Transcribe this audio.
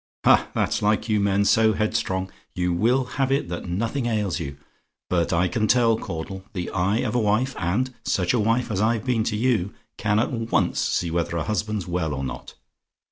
Ha! that's like you men so headstrong! You will have it that nothing ails you; but I can tell, Caudle. The eye of a wife and such a wife as I've been to you can at once see whether a husband's well or not.